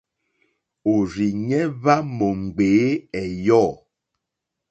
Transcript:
Òrzìɲɛ́ hwá mò ŋɡbèé ɛ̀yɔ̂.